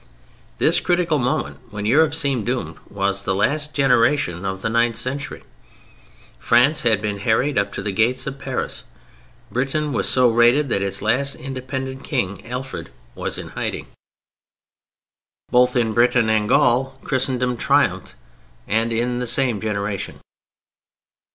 This critical moment when Europe seemed doomed was the last generation of the ninth century. France had been harried up to the gates of Paris. Britain was so raided that its last independent king, Alfred, was in hiding. Both in Britain and Gaul Christendom triumphed and in the same generation.